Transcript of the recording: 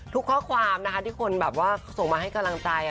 ทุกข้อความนะคะที่คุณส่งมาให้กำลังใจ